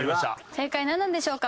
正解なんなんでしょうか？